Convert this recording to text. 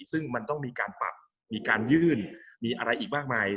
ซึ่งมันต้องมีการปรับมีการยื่นมีอะไรอีกมากมาย